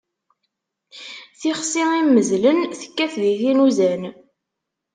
Tixsi immezlen, tekkat di tin uzan.